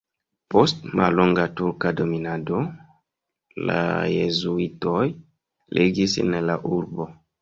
Post mallonga turka dominado la jezuitoj regis en la urbo.